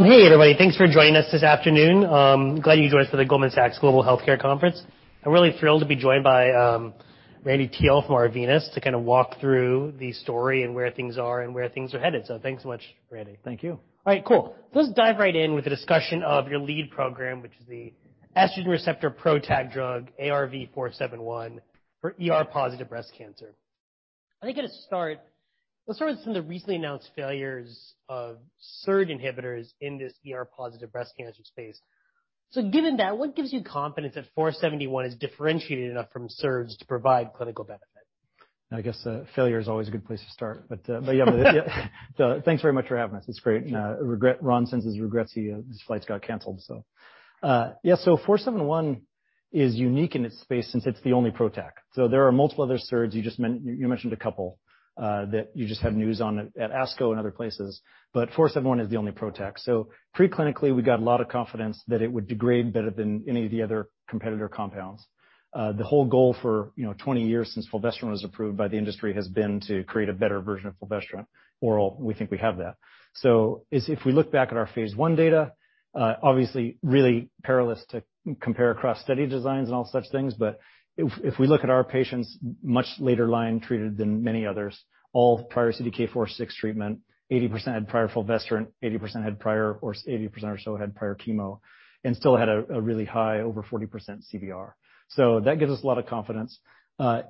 Hey, everybody. Thanks for joining us this afternoon. Glad you could join us for the Goldman Sachs Global Healthcare Conference. I'm really thrilled to be joined by Randy Teel from Arvinas to kinda walk through the story and where things are and where things are headed. Thanks so much, Randy. Thank you. All right, cool. Let's dive right in with a discussion of your lead program, which is the estrogen receptor PROTAC drug, ARV-471, for ER-positive breast cancer. I think to start, let's start with some of the recently announced failures of SERD inhibitors in this ER-positive breast cancer space. Given that, what gives you confidence that 471 is differentiated enough from SERDs to provide clinical benefit? I guess failure is always a good place to start. Yeah, thanks very much for having us. It's great. Ron sends his regrets to you. His flights got canceled. ARV-471 is unique in its space since it's the only PROTAC. There are multiple other SERDs. You just mentioned a couple that you just had news on at ASCO and other places, but ARV-471 is the only PROTAC. Pre-clinically, we got a lot of confidence that it would degrade better than any of the other competitor compounds. The whole goal for you know 20 years since fulvestrant was approved by the industry has been to create a better version of fulvestrant oral. We think we have that. If we look back at our phase one data, obviously really perilous to compare across study designs and all such things, but if we look at our patients much later line treated than many others, all prior CDK4/6 treatment, 80% had prior fulvestrant, 80% or so had prior chemo and still had a really high over 40% CBR. That gives us a lot of confidence.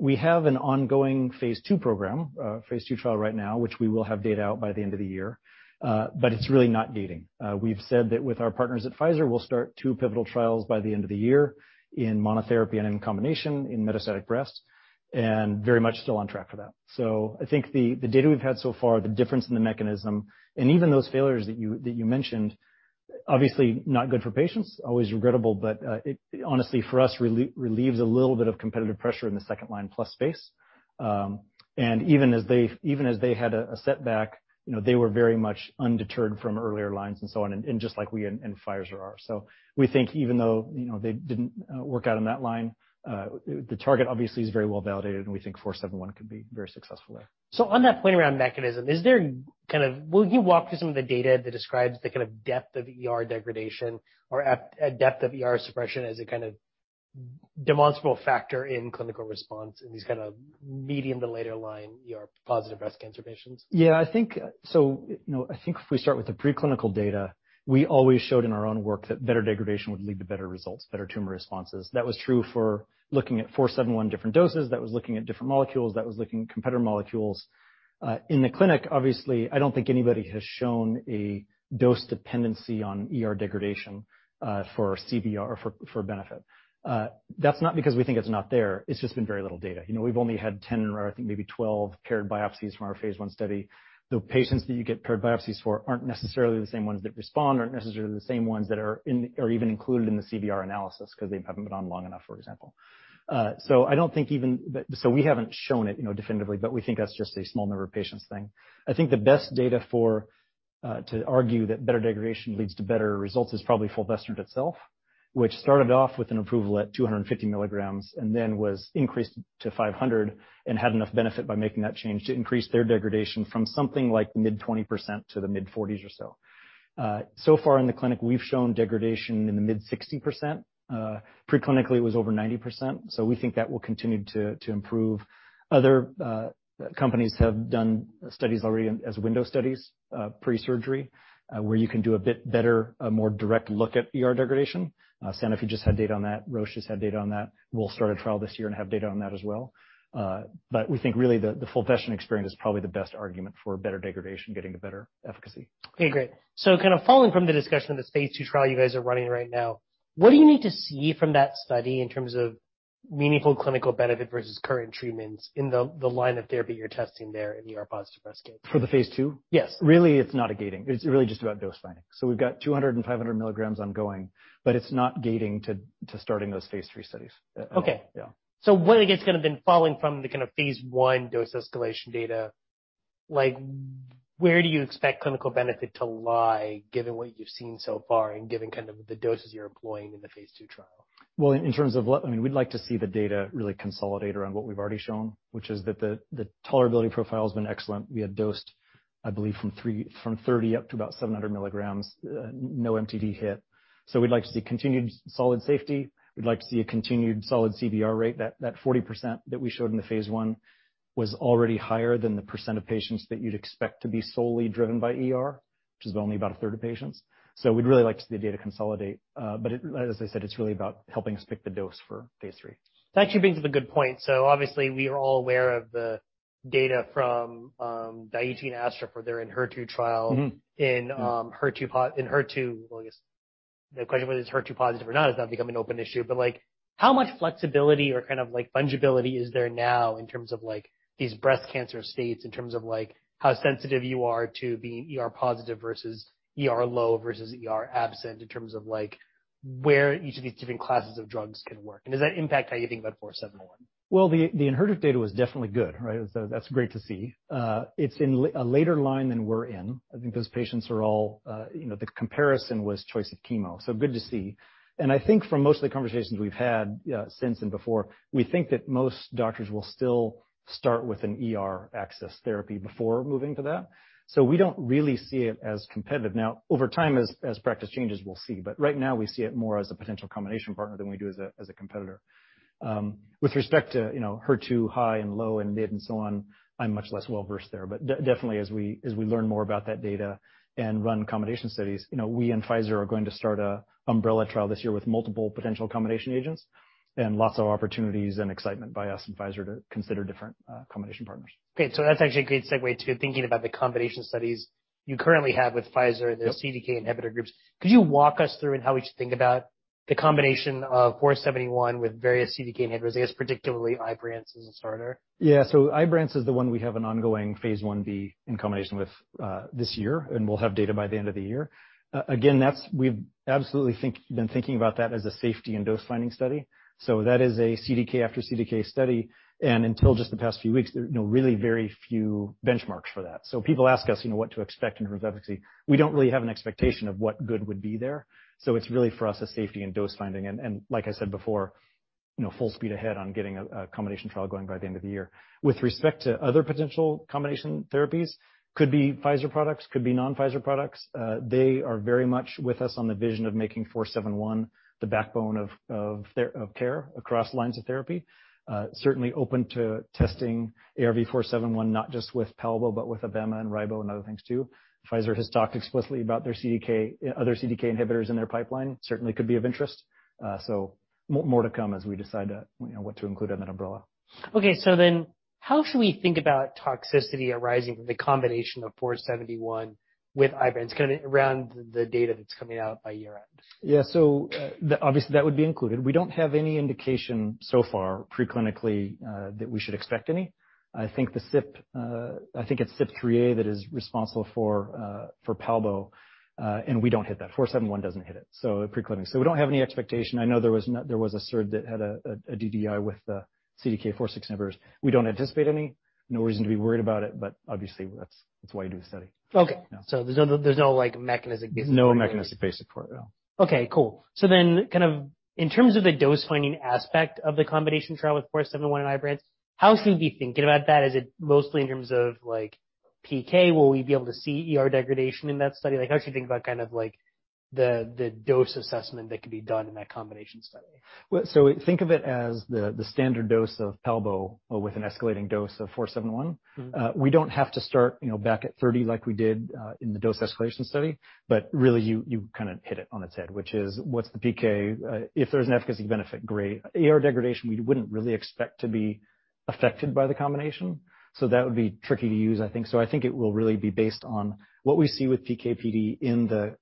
We have an ongoing phase two program, phase two trial right now, which we will have data out by the end of the year, but it's really not gating. We've said that with our partners at Pfizer, we'll start two pivotal trials by the end of the year in monotherapy and in combination in metastatic breast and very much still on track for that. I think the data we've had so far, the difference in the mechanism and even those failures that you mentioned, obviously not good for patients, always regrettable, but it honestly, for us, relieves a little bit of competitive pressure in the second line plus space. Even as they had a setback, you know, they were very much undeterred from earlier lines and so on and just like we and Pfizer are. We think even though, you know, they didn't work out in that line, the target obviously is very well validated, and we think four-seven-one could be very successful there. On that point around mechanism, will you walk through some of the data that describes the kind of depth of ER degradation or at a depth of ER suppression as a kind of demonstrable factor in clinical response in these kinda mid- to late-line ER-positive breast cancer patients? You know, I think if we start with the preclinical data, we always showed in our own work that better degradation would lead to better results, better tumor responses. That was true for looking at ARV-471 different doses, that was looking at different molecules, that was looking at competitor molecules. In the clinic, obviously, I don't think anybody has shown a dose dependency on ER degradation for CBR or for benefit. That's not because we think it's not there. It's just been very little data. You know, we've only had 10 or I think maybe 12 paired biopsies from our phase 1 study. The patients that you get paired biopsies for aren't necessarily the same ones that respond, aren't necessarily the same ones that are in or even included in the CBR analysis 'cause they haven't been on long enough, for example. We haven't shown it, you know, definitively, but we think that's just a small number of patients thing. I think the best data for to argue that better degradation leads to better results is probably fulvestrant itself, which started off with an approval at 250 milligrams, and then was increased to 500 and had enough benefit by making that change to increase their degradation from something like mid-20% to the mid-40s or so. So far in the clinic, we've shown degradation in the mid-60%. Preclinically, it was over 90%, so we think that will continue to improve. Other companies have done studies already as window studies, pre-surgery, where you can do a bit better, a more direct look at ER degradation. Sanofi just had data on that. Roche just had data on that. We'll start a trial this year and have data on that as well. We think really the fulvestrant experience is probably the best argument for better degradation, getting the better efficacy. Okay, great. Kinda following from the discussion of the phase two trial you guys are running right now, what do you need to see from that study in terms of meaningful clinical benefit versus current treatments in the line of therapy you're testing there in ER-positive breast cancer? For the phase 2? Yes. Really, it's not a gating. It's really just about dose finding. We've got 200 and 500 milligrams ongoing, but it's not gating to starting those phase three studies at all. Okay. Yeah. What, I guess, kinda been following from the kinda phase one dose escalation data, like where do you expect clinical benefit to lie given what you've seen so far and given kind of the doses you're employing in the phase two trial? Well, I mean, we'd like to see the data really consolidate around what we've already shown, which is that the tolerability profile has been excellent. We have dosed, I believe, from 30 up to about 700 milligrams, no MTD hit. We'd like to see continued solid safety. We'd like to see a continued solid CBR rate. That 40% that we showed in phase one was already higher than the percent of patients that you'd expect to be solely driven by ER, which is only about a third of patients. We'd really like to see the data consolidate. But as I said, it's really about helping us pick the dose for phase 3. That actually brings up a good point. Obviously, we are all aware of the data from Daiichi Sankyo and AstraZeneca for their ENHERTU trial. Mm-hmm. Mm-hmm. Well, I guess the question whether it's HER2 positive or not has now become an open issue, but, like, how much flexibility or kind of like fungibility is there now in terms of, like, these breast cancer states, in terms of, like, how sensitive you are to being ER positive versus ER low versus ER absent in terms of, like, where each of these different classes of drugs can work? Does that impact how you think about 471? Well, the ENHERTU data was definitely good, right? That's great to see. It's in a later line than we're in, I think, because patients are all, you know, the comparison was choice of chemo, so good to see. I think from most of the conversations we've had, since and before, we think that most doctors will still start with an ER access therapy before moving to that. We don't really see it as competitive. Now, over time, as practice changes, we'll see. Right now, we see it more as a potential combination partner than we do as a competitor. With respect to, you know, HER2 high and low and mid and so on, I'm much less well-versed there. Definitely as we learn more about that data and run combination studies, you know, we and Pfizer are going to start an umbrella trial this year with multiple potential combination agents and lots of opportunities and excitement by us and Pfizer to consider different combination partners. That's actually a great segue to thinking about the combination studies you currently have with Pfizer. Yep. their CDK inhibitor groups. Could you walk us through how we should think about the combination of ARV-471 with various CDK inhibitors, I guess particularly Ibrance as a starter? Yeah. Ibrance is the one we have an ongoing phase 1b in combination with this year, and we'll have data by the end of the year. Again, that's we've absolutely been thinking about that as a safety and dose-finding study. That is a CDK4/6 study, and until just the past few weeks, there are, you know, really very few benchmarks for that. People ask us, you know, what to expect in terms of efficacy. We don't really have an expectation of what good would be there, so it's really for us a safety and dose finding. Like I said before, you know, full speed ahead on getting a combination trial going by the end of the year. With respect to other potential combination therapies, could be Pfizer products, could be non-Pfizer products. They are very much with us on the vision of making ARV-471 the backbone of care across lines of therapy. Certainly open to testing ARV-471 not just with palbociclib but with abemaciclib and ribociclib and other things too. Pfizer has talked explicitly about their other CDK inhibitors in their pipeline, certainly could be of interest. More to come as we decide, you know, what to include in that umbrella. Okay, how should we think about toxicity arising from the combination of ARV-471 with Ibrance, kinda around the data that's coming out by year-end? Yeah. Obviously, that would be included. We don't have any indication so far pre-clinically that we should expect any. I think it's CYP3A that is responsible for palbociclib, and we don't hit that. ARV-471 doesn't hit it, so pre-clinically. We don't have any expectation. I know there was a SERD that had a DDI with the CDK4/6 inhibitors. We don't anticipate any. No reason to be worried about it, but obviously that's why you do the study. Okay. Yeah. There's no like basic mechanism for it at all? No mechanistic basis for it, no. Okay, cool. Kind of in terms of the dose-finding aspect of the combination trial with ARV-471 and Ibrance, how should we be thinking about that? Is it mostly in terms of, like, PK? Will we be able to see ER degradation in that study? Like, how do you think about kind of like the dose assessment that could be done in that combination study? Well, think of it as the standard dose of palbociclib or with an escalating dose of 471. Mm-hmm. We don't have to start, you know, back at 30 like we did in the dose escalation study. Really, you kinda hit it on its head, which is what's the PK? If there's an efficacy benefit, great. AR degradation, we wouldn't really expect to be affected by the combination, so that would be tricky to use, I think. I think it will really be based on what we see with PK/PD in the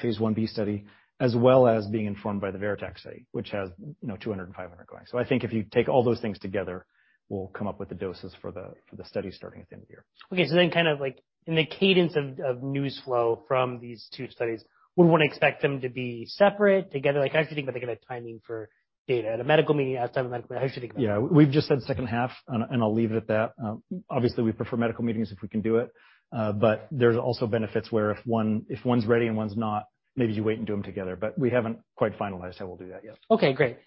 phase 1b study, as well as being informed by the VERITAC-2 study, which has, you know, 200 and 500 going. I think if you take all those things together, we'll come up with the doses for the study starting at the end of the year. Okay, kind of like in the cadence of news flow from these two studies, we wouldn't expect them to be separate, together. Like, how do you think about the kind of timing for data at a medical meeting, outside of a medical meeting? How should we think about that? Yeah. We've just said second half and I'll leave it at that. Obviously, we prefer medical meetings if we can do it. But there's also benefits where if one's ready and one's not, maybe you wait and do them together. We haven't quite finalized how we'll do that yet. Okay, great.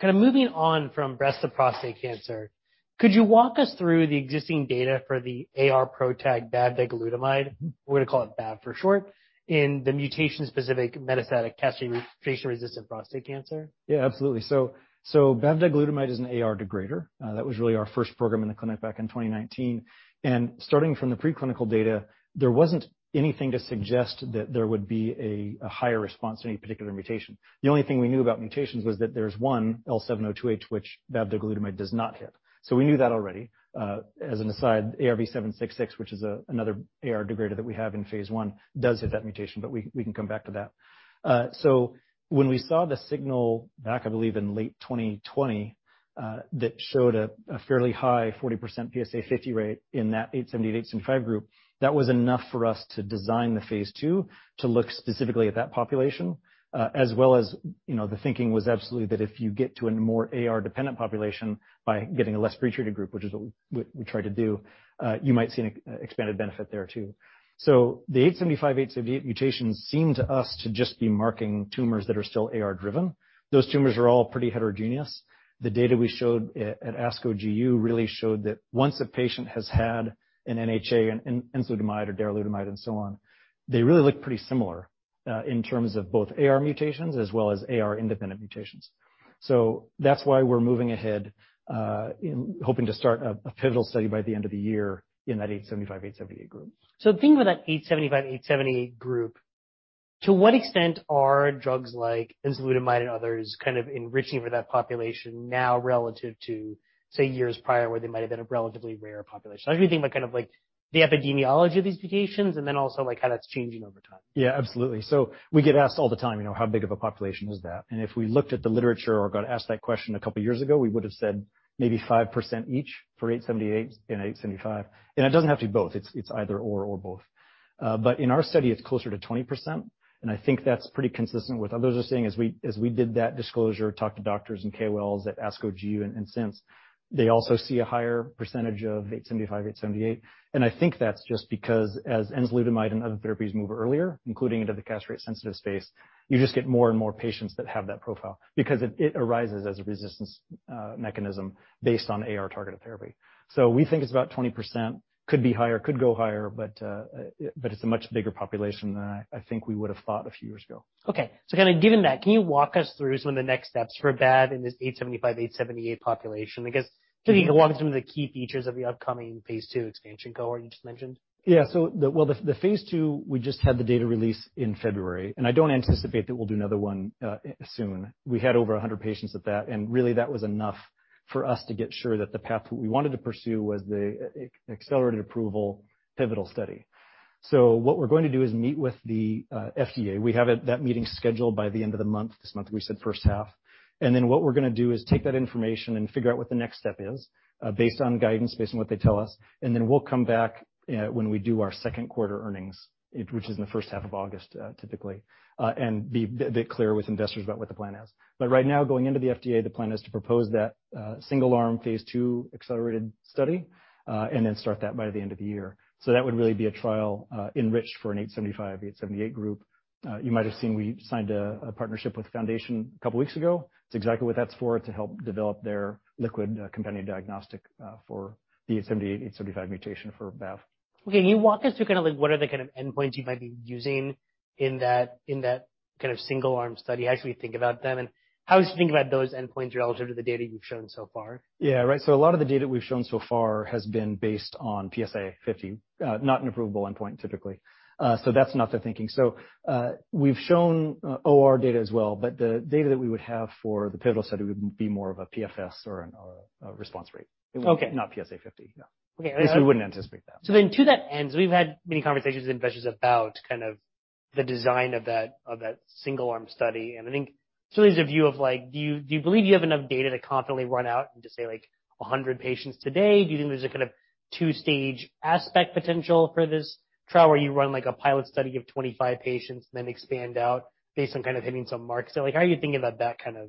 Kinda moving on from breast to prostate cancer, could you walk us through the existing data for the AR PROTAC bavdegalutamide, we're gonna call it bev for short, in the mutation-specific metastatic castration-resistant prostate cancer? Yeah, absolutely. Bavdegalutamide is an AR degrader. That was really our first program in the clinic back in 2019. Starting from the preclinical data, there wasn't anything to suggest that there would be a higher response to any particular mutation. The only thing we knew about mutations was that there's one, L702H, which bavdegalutamide does not hit. We knew that already. As an aside, ARV-766, which is another AR degrader that we have in phase 1, does hit that mutation, but we can come back to that. When we saw the signal back, I believe, in late 2020, that showed a fairly high 40% PSA50 rate in that H875 group, that was enough for us to design the phase 2 to look specifically at that population. As well as, you know, the thinking was absolutely that if you get to a more AR-dependent population by getting a less pretreated group, which is what we tried to do, you might see an expanded benefit there too. The H875, T878 mutations seem to us to just be marking tumors that are still AR-driven. Those tumors are all pretty heterogeneous. The data we showed at ASCO GU really showed that once a patient has had an NHA, an enzalutamide or darolutamide and so on, they really look pretty similar in terms of both AR mutations as well as AR-independent mutations. That's why we're moving ahead in hoping to start a pivotal study by the end of the year in that H875, T878 group. The thing with that H875, T878 group, to what extent are drugs like enzalutamide and others kind of enriching for that population now relative to, say, years prior, where they might have been a relatively rare population? How do you think about kind of like the epidemiology of these mutations and then also, like, how that's changing over time. Yeah, absolutely. We get asked all the time, you know, how big of a population is that? If we looked at the literature or got asked that question a couple years ago, we would've said maybe 5% each for T878 and H875. It doesn't have to be both. It's either or both. But in our study, it's closer to 20%, and I think that's pretty consistent with others are saying as we did that disclosure, talked to doctors and KOLs at ASCO GU and since, they also see a higher percentage of H875, T878. I think that's just because as enzalutamide and other therapies move earlier, including into the castration-sensitive space, you just get more and more patients that have that profile because it arises as a resistance mechanism based on AR targeted therapy. We think it's about 20%. Could be higher, could go higher, but it's a much bigger population than I think we would have thought a few years ago. Okay. Kinda given that, can you walk us through some of the next steps for bavdegalutamide in this H875, T878 population? I guess, can you walk through some of the key features of the upcoming phase 2 expansion cohort you just mentioned? Well, the phase two, we just had the data release in February, and I don't anticipate that we'll do another one, soon. We had over 100 patients at that, and really that was enough for us to get sure that the path we wanted to pursue was the accelerated approval pivotal study. What we're going to do is meet with the FDA. We have that meeting scheduled by the end of the month. This month, we said first half. What we're gonna do is take that information and figure out what the next step is, based on guidance, based on what they tell us, and then we'll come back, when we do our second quarter earnings, which is in the first half of August, typically, and be a bit clear with investors about what the plan is. Right now, going into the FDA, the plan is to propose that, single-arm phase two accelerated study, and then start that by the end of the year. That would really be a trial, enriched for an H875, T878 group. You might have seen we signed a partnership with Foundation Medicine a couple weeks ago. It's exactly what that's for, to help develop their liquid companion diagnostic for the H875 mutation for bavdegalutamide. Okay. Can you walk us through kinda like what are the kind of endpoints you might be using in that kind of single arm study? How should we think about them, and how would you think about those endpoints relative to the data you've shown so far? Yeah. Right. A lot of the data we've shown so far has been based on PSA50, not an approvable endpoint typically. That's not the thinking. We've shown ORR data as well, but the data that we would have for the pivotal study would be more of a PFS or a response rate. Okay. Not PSA 50. Yeah. Okay. At least we wouldn't anticipate that. To that end, we've had many conversations with investors about kind of the design of that single arm study, and I think so there's a view of like, do you believe you have enough data to confidently run out into, say, like, 100 patients today? Do you think there's a kind of two-stage aspect potential for this trial where you run, like, a pilot study of 25 patients and then expand out based on kind of hitting some marks? Like, how are you thinking about that kind of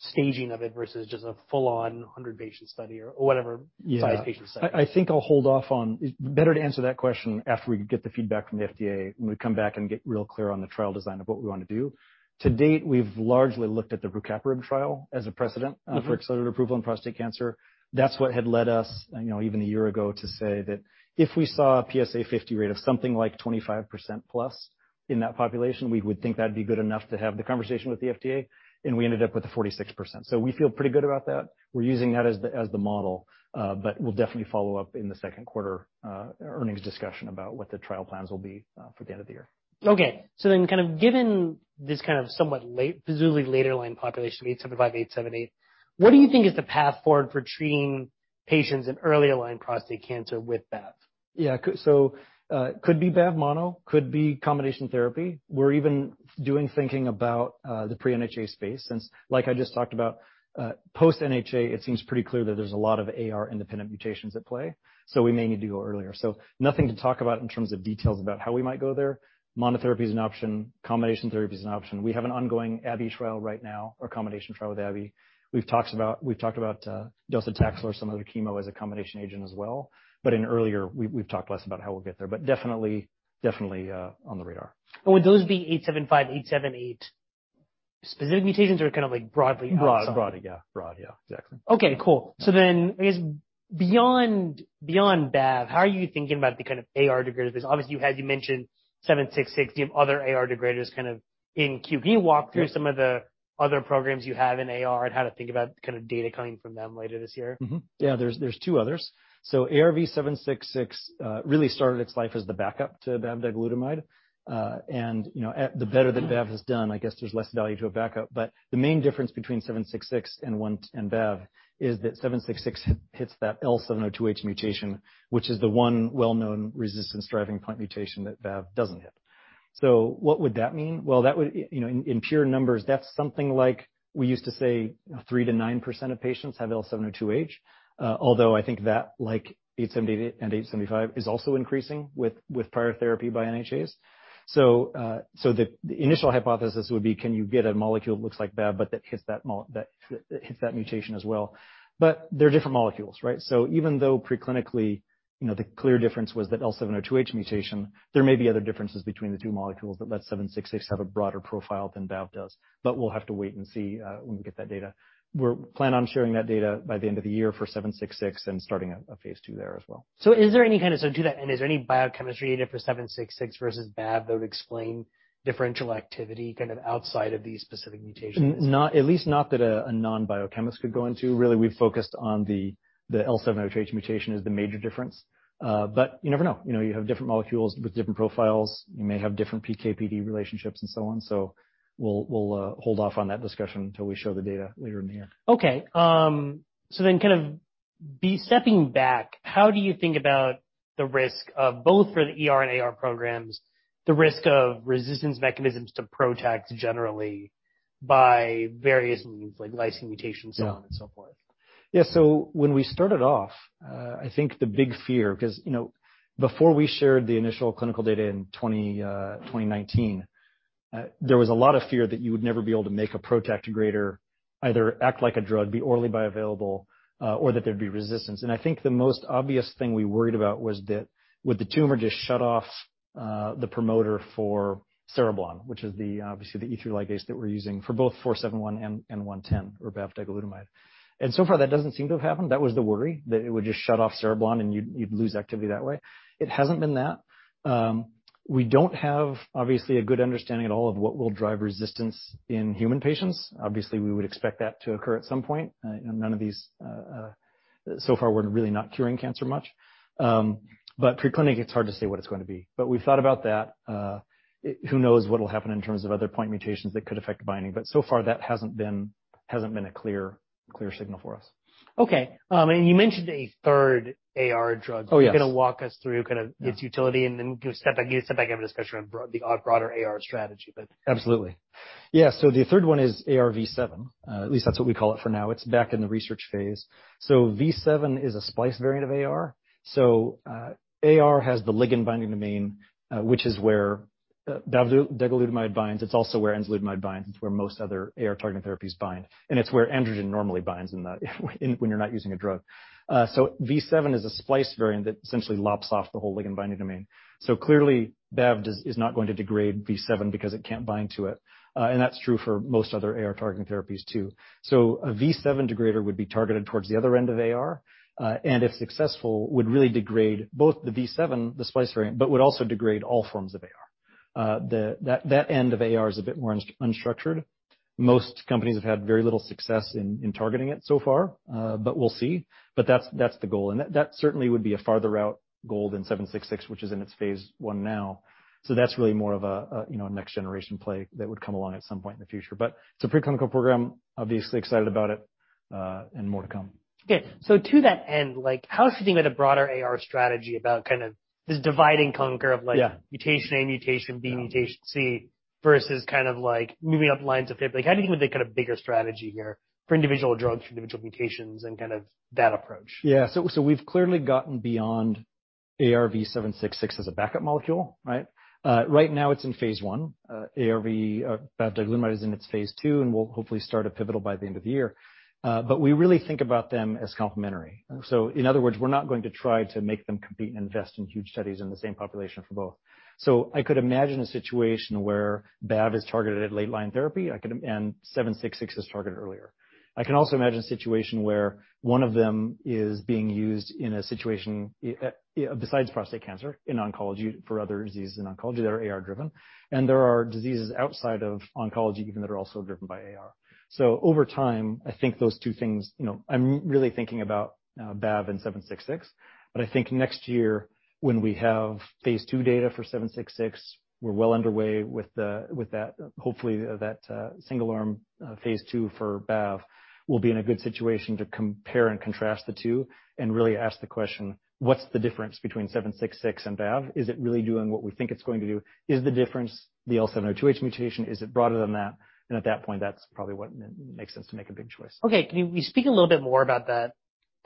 staging of it versus just a full on 100 patient study or whatever? Yeah Size patient study? I think I'll hold off on better to answer that question after we get the feedback from the FDA, when we come back and get real clear on the trial design of what we wanna do. To date, we've largely looked at the rucaparib trial as a precedent. Mm-hmm For accelerated approval in prostate cancer. That's what had led us, you know, even a year ago to say that if we saw a PSA50 rate of something like 25%+ in that population, we would think that'd be good enough to have the conversation with the FDA, and we ended up with a 46%. We feel pretty good about that. We're using that as the model, but we'll definitely follow up in the second quarter earnings discussion about what the trial plans will be for the end of the year. Okay. Kind of given this kind of somewhat late, presumably later line population of H875, T878, what do you think is the path forward for treating patients in earlier line prostate cancer with bavdegalutamide? Yeah. Could be Bav mono, could be combination therapy. We're even thinking about the pre-NHA space since, like I just talked about, post-NHA, it seems pretty clear that there's a lot of AR independent mutations at play, so we may need to go earlier. Nothing to talk about in terms of details about how we might go there. Monotherapy is an option, combination therapy is an option. We have an ongoing AbbVie trial right now, a combination trial with AbbVie. We've talked about docetaxel or some other chemo as a combination agent as well. In earlier, we've talked less about how we'll get there, but definitely on the radar. Would those be H875, T878 specific mutations or kind of like broadly outside? Broad, yeah. Exactly. Okay, cool. I guess beyond Bev, how are you thinking about the kind of AR degraders? Because obviously you mentioned seven six six. Do you have other AR degraders kind of in queue? Can you walk through some of the other programs you have in AR and how to think about kind of data coming from them later this year? Yeah, there's two others. ARV-766 really started its life as the backup to bavdegalutamide. You know, given the better that Bev has done, I guess there's less value to a backup. But the main difference between ARV-766 and ARV-110 and Bev is that ARV-766 hits that L702H mutation, which is the one well-known resistance driving point mutation that Bev doesn't hit. What would that mean? Well, you know, in pure numbers, that's something like we used to say, you know, 3%-9% of patients have L702H. Although I think that, like, T878 and H875 is also increasing with prior therapy by NHAs. The initial hypothesis would be, can you get a molecule that looks like bavdegalutamide but that hits that mutation as well? They're different molecules, right? Even though preclinically, you know, the clear difference was that L702H mutation, there may be other differences between the two molecules that lets ARV-766 have a broader profile than bavdegalutamide does. We'll have to wait and see when we get that data. We're planning on sharing that data by the end of the year for ARV-766 and starting a phase 2 there as well. To that end, is there any biochemistry data for ARV-766 versus bavdegalutamide that would explain differential activity outside of these specific mutations? At least not that a non-biochemist could go into. Really, we've focused on the L702H mutation as the major difference. You never know. You know, you have different molecules with different profiles. You may have different PK/PD relationships and so on. We'll hold off on that discussion till we show the data later in the year. Stepping back, how do you think about the risk of both for the ER and AR programs, the risk of resistance mechanisms to PROTACs generally by various means, like lysine mutations? Yeah so on and so forth? Yeah. When we started off, I think the big fear, 'cause, you know, before we shared the initial clinical data in 2019, there was a lot of fear that you would never be able to make a PROTAC degrader either act like a drug, be orally bioavailable, or that there'd be resistance. I think the most obvious thing we worried about was that would the tumor just shut off the promoter for Cereblon, which is the, obviously, the E3 ligase that we're using for both 471 and 110 or bavdegalutamide. So far, that doesn't seem to have happened. That was the worry, that it would just shut off Cereblon and you'd lose activity that way. It hasn't been that. We don't have, obviously, a good understanding at all of what will drive resistance in human patients. Obviously, we would expect that to occur at some point. None of these, so far, we're really not curing cancer much. Preclinical, it's hard to say what it's gonna be. We've thought about that. Who knows what'll happen in terms of other point mutations that could affect binding, but so far, that hasn't been a clear signal for us. Okay. You mentioned a third AR drug. Oh, yes. You're gonna walk us through kind of. Yeah its utility, and then step back. You step back and have a discussion on the broader AR strategy, but. Absolutely. Yeah. The third one is AR-V7. At least that's what we call it for now. It's back in the research phase. V7 is a splice variant of AR. AR has the ligand-binding domain, which is where bavdegalutamide binds. It's also where enzalutamide binds. It's where most other AR-targeted therapies bind, and it's where androgen normally binds when you're not using a drug. V7 is a splice variant that essentially lops off the whole ligand-binding domain. Clearly, bavdegalutamide is not going to degrade V7 because it can't bind to it. That's true for most other AR-targeting therapies too. A V7 degrader would be targeted towards the other end of AR, and if successful, would really degrade both the V7, the splice variant, but would also degrade all forms of AR. That end of AR is a bit more unstructured. Most companies have had very little success in targeting it so far, but we'll see. That's the goal. That certainly would be a farther out goal than 766, which is in its phase 1 now. That's really more of a you know next generation play that would come along at some point in the future. It's a pre-clinical program, obviously excited about it, and more to come. Okay. To that end, like how is sitting with a broader AR strategy about kind of this divide and conquer of like. Yeah mutation A, mutation B. Yeah... mutation C, versus kind of like how do you think of the kind of bigger strategy here for individual drugs, individual mutations, and kind of that approach? Yeah. We've clearly gotten beyond ARV-766 as a backup molecule, right? Right now it's in phase one. ARV-110, bavdegalutamide is in its phase two, and we'll hopefully start a pivotal by the end of the year. We really think about them as complementary. Okay. In other words, we're not going to try to make them compete and invest in huge studies in the same population for both. I could imagine a situation where bav is targeted at late line therapy and seven six six is targeted earlier. I can also imagine a situation where one of them is being used in a situation besides prostate cancer in oncology for other diseases in oncology that are AR driven. There are diseases outside of oncology even that are also driven by AR. Over time, I think those two things, you know, I'm really thinking about bav and seven six six. I think next year when we have phase two data for 766, we're well underway with that, hopefully that single arm phase two for bav, we'll be in a good situation to compare and contrast the two and really ask the question, what's the difference between 766 and bav? Is it really doing what we think it's going to do? Is the difference the L702H mutation, is it broader than that? At that point, that's probably what makes sense to make a big choice. Okay. Can you speak a little bit more about that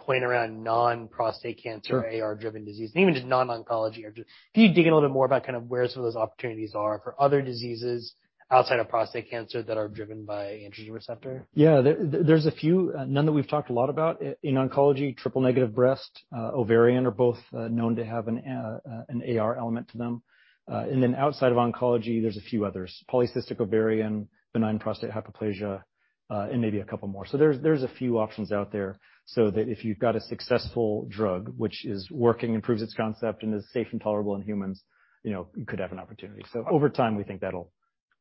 point around non-prostate cancer? Sure AR-driven disease and even just non-oncology or just. Can you dig in a little more about kind of where some of those opportunities are for other diseases outside of prostate cancer that are driven by androgen receptor? Yeah. There's a few none that we've talked a lot about. In oncology, triple-negative breast cancer, ovarian are both known to have an AR element to them. Outside of oncology, there's a few others. Polycystic ovarian, benign prostatic hyperplasia, and maybe a couple more. There's a few options out there so that if you've got a successful drug which is working and proves its concept and is safe and tolerable in humans, you know, you could have an opportunity. Over time, we think that'll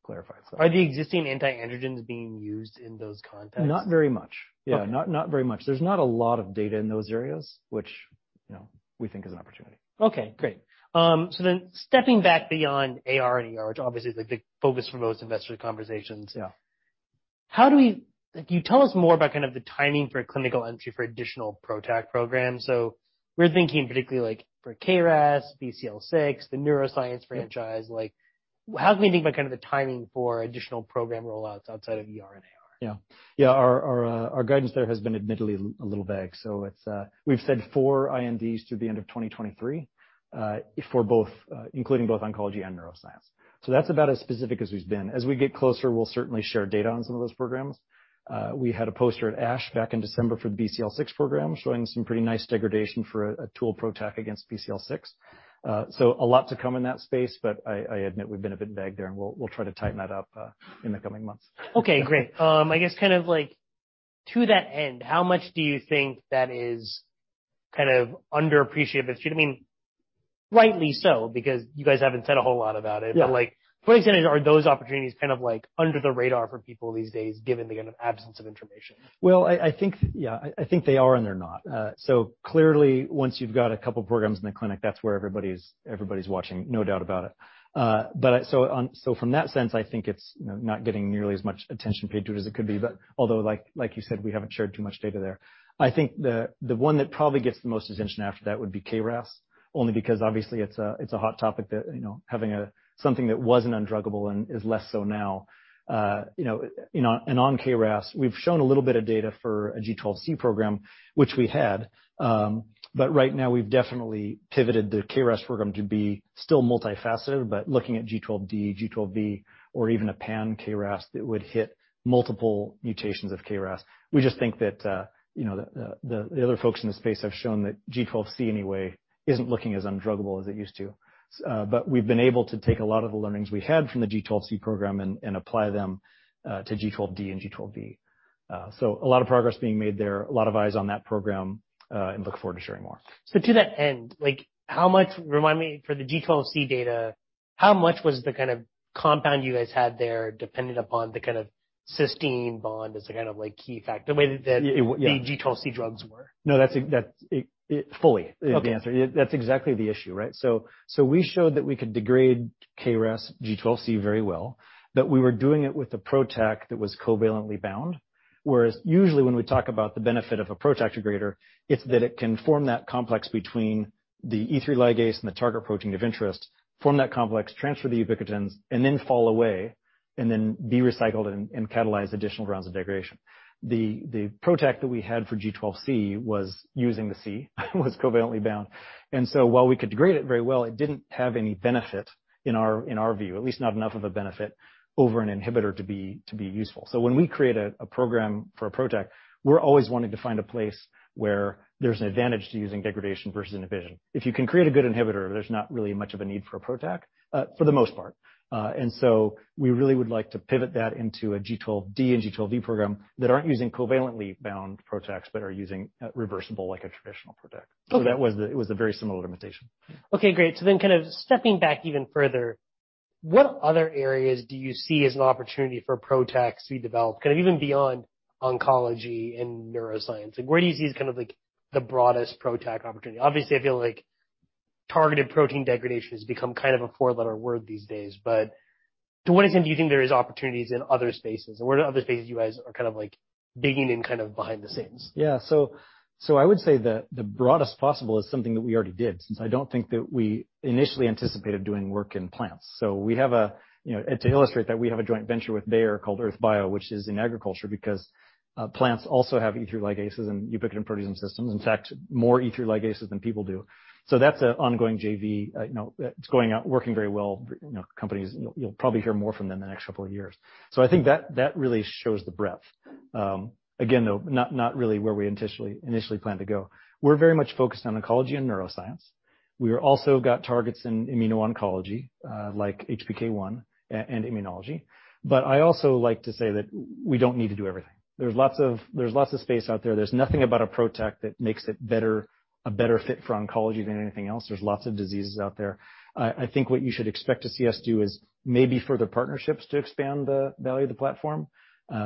clarify itself. Are the existing anti-androgens being used in those contexts? Not very much. Okay. Yeah. Not very much. There's not a lot of data in those areas, which, you know, we think is an opportunity. Okay, great. Stepping back beyond AR and ER, which obviously is the big focus for most investor conversations. Yeah Can you tell us more about kind of the timing for clinical entry for additional PROTAC programs? We're thinking particularly like for KRAS, BCL6, the neuroscience franchise. Yeah. Like, help me think about kind of the timing for additional program rollouts outside of ER and AR. Yeah. Our guidance there has been admittedly a little vague. It's we've said four INDs through the end of 2023 for both, including both oncology and neuroscience. That's about as specific as we've been. As we get closer, we'll certainly share data on some of those programs. We had a poster at ASH back in December for the BCL6 program, showing some pretty nice degradation for a tool PROTAC against BCL6. A lot to come in that space, but I admit we've been a bit vague there, and we'll try to tighten that up in the coming months. Okay, great. I guess kind of like to that end, how much do you think that is kind of underappreciated? I mean, rightly so, because you guys haven't said a whole lot about it. Yeah. Like, to what extent are those opportunities kind of like under the radar for people these days given the kind of absence of information? Well, I think, yeah, I think they are and they're not. So clearly, once you've got a couple programs in the clinic, that's where everybody's watching, no doubt about it. But so from that sense, I think it's, you know, not getting nearly as much attention paid to it as it could be, but although, like you said, we haven't shared too much data there. I think the one that probably gets the most attention after that would be KRAS, only because obviously it's a hot topic that, you know, having something that wasn't undruggable and is less so now. You know, and on KRAS, we've shown a little bit of data for a G12C program, which we had. Right now we've definitely pivoted the KRAS program to be still multifaceted, but looking at G12D, G12V, or even a pan KRAS that would hit multiple mutations of KRAS. We just think that, you know, the other folks in the space have shown that G12C anyway isn't looking as undruggable as it used to. But we've been able to take a lot of the learnings we had from the G12C program and apply them to G12D and G12V. A lot of progress being made there, a lot of eyes on that program, and look forward to sharing more. To that end, like how much, remind me, for the G12C data, how much was the kind of compound you guys had there dependent upon the kind of cysteine bond as a kind of like key factor, the way that? Yeah. The G12C drugs were? No, that's it. It fully is the answer. Okay. That's exactly the issue, right? We showed that we could degrade KRAS G12C very well, but we were doing it with a PROTAC that was covalently bound. Whereas usually when we talk about the benefit of a PROTAC degrader, it's that it can form that complex between the E3 ligase and the target protein of interest, form that complex, transfer the ubiquitins, and then fall away, and then be recycled and catalyze additional rounds of degradation. The PROTAC that we had for G12C was covalently bound. While we could degrade it very well, it didn't have any benefit in our view, at least not enough of a benefit over an inhibitor to be useful. When we create a program for a PROTAC, we're always wanting to find a place where there's an advantage to using degradation versus inhibition. If you can create a good inhibitor, there's not really much of a need for a PROTAC, for the most part. We really would like to pivot that into a G12D and G12V program that aren't using covalently bound PROTACs, but are using reversible like a traditional PROTAC. Okay. It was a very similar limitation. Okay, great. Kind of stepping back even further, what other areas do you see as an opportunity for PROTACs to be developed, kind of even beyond oncology and neuroscience? Like, where do you see as kind of like the broadest PROTAC opportunity? Obviously, I feel like targeted protein degradation has become kind of a four-letter word these days. To what extent do you think there is opportunities in other spaces? What are other spaces you guys are kind of like digging in kind of behind the scenes? Yeah. I would say that the broadest possible is something that we already did, since I don't think that we initially anticipated doing work in plants. We have a, you know, and to illustrate that, we have a joint venture with Bayer called Oerth Bio, which is in agriculture because plants also have E3 ligases and ubiquitin producing systems. In fact, more E3 ligases than people do. That's an ongoing JV. You know, it's going out, working very well. You know, companies you'll probably hear more from them in the next couple of years. I think that really shows the breadth. Again, though, not really where we initially planned to go. We're very much focused on oncology and neuroscience. We've also got targets in immuno-oncology, like HPK1 and immunology. I also like to say that we don't need to do everything. There's lots of space out there. There's nothing about a PROTAC that makes it a better fit for oncology than anything else. There's lots of diseases out there. I think what you should expect to see us do is maybe further partnerships to expand the value of the platform.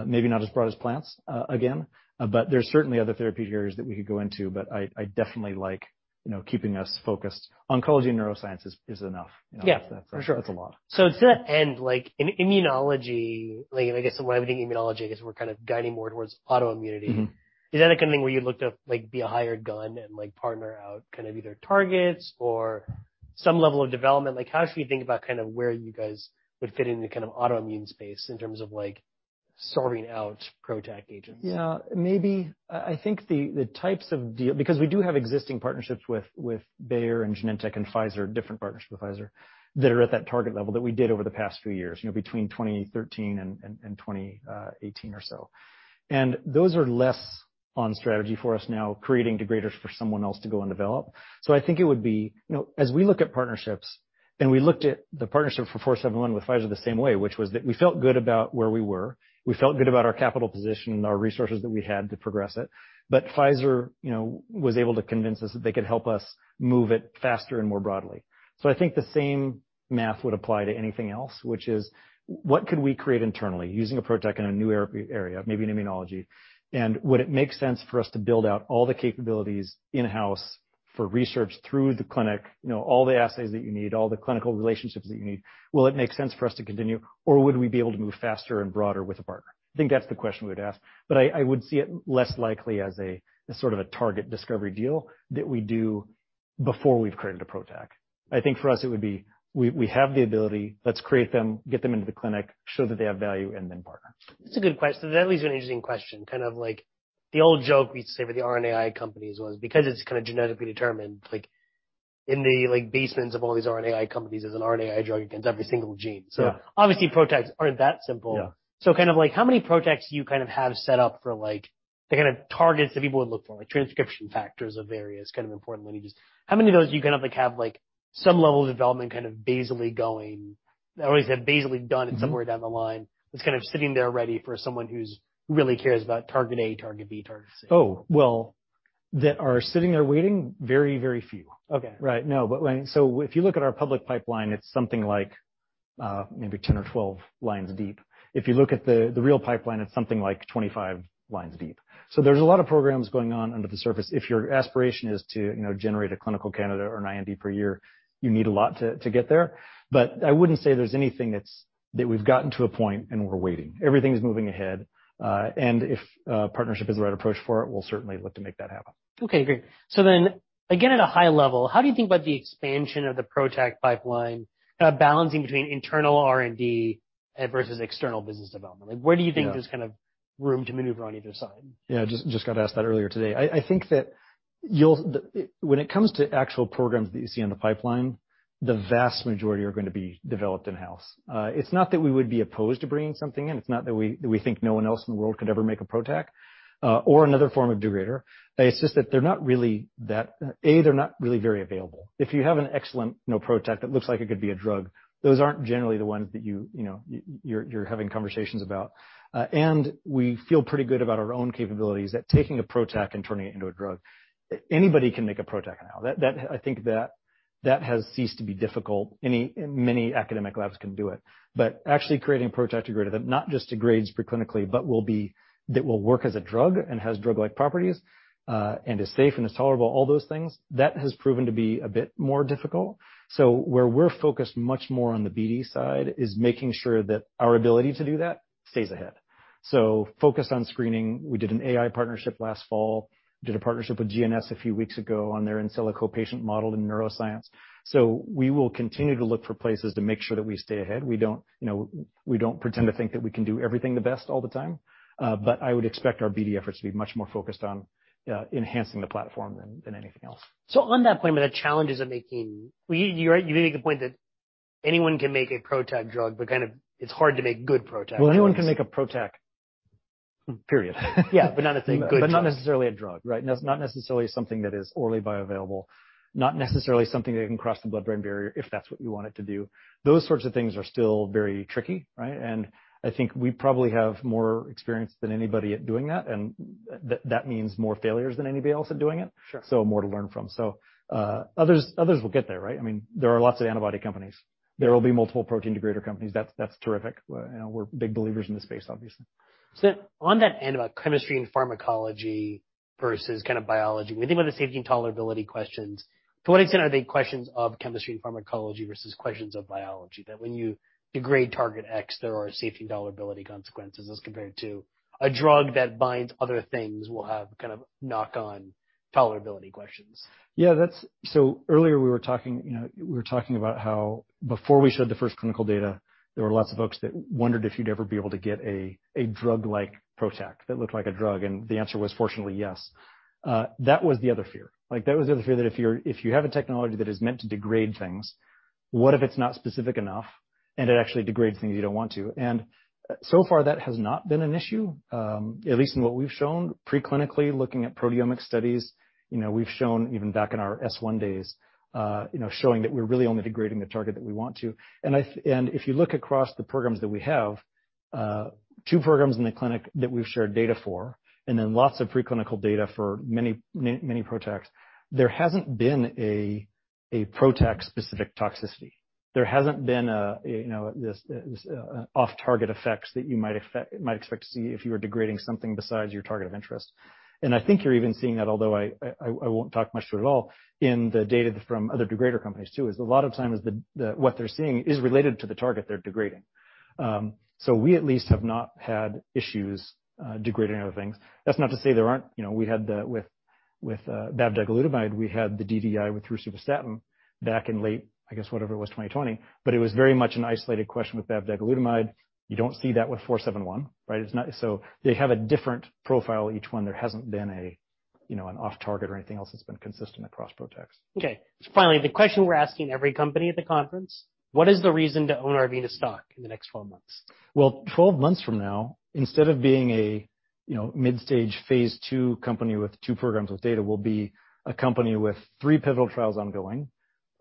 Maybe not as broad as plants, again, but there's certainly other therapeutic areas that we could go into. I definitely like, you know, keeping us focused. Oncology and neuroscience is enough. Yeah, for sure. That's a lot. To that end, like in immunology, like I guess when I'm thinking immunology, I guess we're kind of guiding more towards autoimmunity. Mm-hmm. Is that a kind of thing where you look to like be a hired gun and like partner out kind of either targets or some level of development? Like, how should we think about kind of where you guys would fit into kind of autoimmune space in terms of like sorting out PROTAC agents? Yeah. Maybe. I think the types of deal, because we do have existing partnerships with Bayer and Genentech and Pfizer, different partnerships with Pfizer, that are at that target level that we did over the past few years, you know, between 2013 and 2018 or so. Those are less on strategy for us now, creating degraders for someone else to go and develop. I think it would be, you know, as we look at partnerships, and we looked at the partnership for ARV-471 with Pfizer the same way, which was that we felt good about where we were. We felt good about our capital position and our resources that we had to progress it. Pfizer, you know, was able to convince us that they could help us move it faster and more broadly. I think the same math would apply to anything else, which is what could we create internally using a PROTAC in a new area, maybe in immunology? Would it make sense for us to build out all the capabilities in-house for research through the clinic? You know, all the assays that you need, all the clinical relationships that you need. Will it make sense for us to continue, or would we be able to move faster and broader with a partner? I think that's the question we would ask. I would see it less likely as a, as sort of a target discovery deal that we do before we've created a PROTAC. I think for us it would be, we have the ability, let's create them, get them into the clinic, show that they have value, and then partner. That's a good question. That leads to an interesting question, kind of like the old joke we used to say with the RNAi companies was, because it's kinda genetically determined, like in the basements of all these RNAi companies, there's an RNAi drug against every single gene. Yeah. Obviously, PROTACs aren't that simple. Yeah. Kind of like how many PROTACs do you kind of have set up for like the kind of targets that people would look for, like transcription factors of various kind of important lineages? How many of those do you kind of like have like some level of development kind of basally going? I always have basically done it somewhere down the line. It's kind of sitting there ready for someone who really cares about target A, target B, target C. Oh, well, that are sitting there waiting? Very, very few. Okay. If you look at our public pipeline, it's something like, maybe 10 or 12 lines deep. If you look at the real pipeline, it's something like 25 lines deep. There's a lot of programs going on under the surface. If your aspiration is to, you know, generate a clinical candidate or an IND per year, you need a lot to get there. I wouldn't say there's anything that we've gotten to a point and we're waiting. Everything's moving ahead. If a partnership is the right approach for it, we'll certainly look to make that happen. Okay, great. Again, at a high level, how do you think about the expansion of the PROTAC pipeline, kinda balancing between internal R&D versus external business development? Like, where do you think there's kind of room to maneuver on either side? Yeah. Just got asked that earlier today. I think that you'll... When it comes to actual programs that you see on the pipeline, the vast majority are gonna be developed in-house. It's not that we would be opposed to bringing something in. It's not that we think no one else in the world could ever make a PROTAC or another form of degrader. It's just that they're not really very available. If you have an excellent, you know, PROTAC that looks like it could be a drug, those aren't generally the ones that you know you're having conversations about. We feel pretty good about our own capabilities at taking a PROTAC and turning it into a drug. Anybody can make a PROTAC now. I think that has ceased to be difficult. Many academic labs can do it. Actually creating a PROTAC degrader that not just degrades pre-clinically, but will work as a drug and has drug-like properties, and is safe and is tolerable, all those things, that has proven to be a bit more difficult. Where we're focused much more on the BD side is making sure that our ability to do that stays ahead. Focused on screening. We did an AI partnership last fall, did a partnership with GNS a few weeks ago on their in silico patient model in neuroscience. We will continue to look for places to make sure that we stay ahead. We don't, you know, we don't pretend to think that we can do everything the best all the time, but I would expect our BD efforts to be much more focused on enhancing the platform than anything else. On that point about the challenges of making, well, you made the point that anyone can make a PROTAC drug, but kind of it's hard to make good PROTAC drugs. Well, anyone can make a PROTAC, period. Yeah, not necessarily a good drug. Not necessarily a drug, right? Not necessarily something that is orally bioavailable, not necessarily something that can cross the blood-brain barrier, if that's what you want it to do. Those sorts of things are still very tricky, right? I think we probably have more experience than anybody at doing that, and that means more failures than anybody else at doing it. Sure. More to learn from. Others will get there, right? I mean, there are lots of antibody companies. There will be multiple protein degrader companies. That's terrific. You know, we're big believers in the space, obviously. On that end about chemistry and pharmacology versus kind of biology, when you think about the safety and tolerability questions, to what extent are they questions of chemistry and pharmacology versus questions of biology? That when you degrade target X, there are safety and tolerability consequences, as compared to a drug that binds other things will have kind of knock-on tolerability questions. Yeah, that's. Earlier, we were talking, you know, about how before we showed the first clinical data, there were lots of folks that wondered if you'd ever be able to get a drug like PROTAC that looked like a drug, and the answer was fortunately yes. That was the other fear. Like, that was the other fear that if you have a technology that is meant to degrade things, what if it's not specific enough, and it actually degrades things you don't want to? So far, that has not been an issue, at least in what we've shown pre-clinically, looking at proteomic studies. You know, we've shown even back in our S-1 days, you know, showing that we're really only degrading the target that we want to. If you look across the programs that we have, two programs in the clinic that we've shared data for, and then lots of pre-clinical data for many, many PROTACs, there hasn't been a PROTAC-specific toxicity. There hasn't been a, you know, this off-target effects that you might expect to see if you were degrading something besides your target of interest. I think you're even seeing that, although I won't talk much to it at all, in the data from other degrader companies too. A lot of times what they're seeing is related to the target they're degrading. We at least have not had issues degrading other things. That's not to say there aren't. You know, we had the DDI with bavdegalutamide back in late, I guess, whatever it was, 2020, but it was very much an isolated question with bavdegalutamide. You don't see that with ARV-471, right? It's not. So they have a different profile, each one. There hasn't been a, you know, an off target or anything else that's been consistent across PROTACs. Okay. Finally, the question we're asking every company at the conference, what is the reason to own Arvinas stock in next 12 months? Well, 12 months from now, instead of being a, you know, mid-stage phase two company with two programs with data, we'll be a company with three pivotal trials ongoing,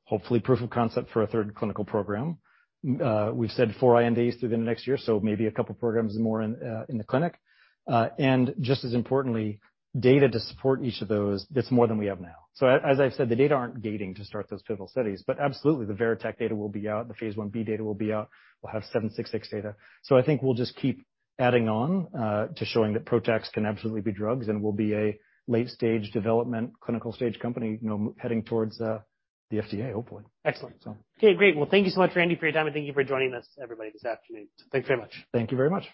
hopefully proof of concept for a third clinical program. We've said four INDs within the next year, so maybe a couple programs more in the clinic. And just as importantly, data to support each of those, that's more than we have now. As I said, the data aren't gating to start those pivotal studies, but absolutely the VERITAC data will be out, the phase 1b data will be out. We'll have 766 data. I think we'll just keep adding on to showing that PROTACs can absolutely be drugs, and we'll be a late-stage development clinical stage company, you know, heading towards the FDA, hopefully. Excellent. So. Okay, great. Well, thank you so much, Randy, for your time, and thank you for joining us, everybody, this afternoon. Thanks very much. Thank you very much.